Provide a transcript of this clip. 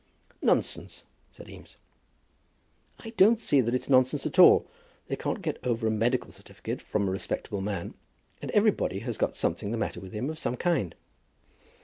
"Nonsense," said Eames. "I don't see that it's nonsense at all. They can't get over a medical certificate from a respectable man; and everybody has got something the matter with him of some kind."